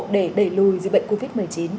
để đẩy lùi dịch bệnh covid một mươi chín